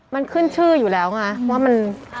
มันขึ้นชื่ออยู่แล้วไง